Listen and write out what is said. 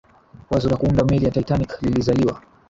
wazo la kuunda meli ya titanic lilizaliwa